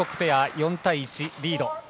４対１とリード。